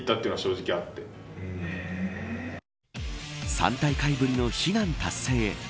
３大会ぶりの悲願達成へ。